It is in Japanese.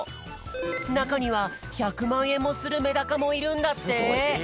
なかには１００まんえんもするメダカもいるんだって。